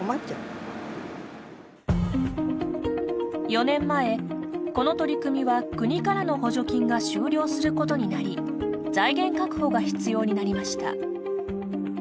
４年前この取り組みは国からの補助金が終了することになり財源確保が必要になりました。